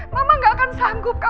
mama gak akan sanggup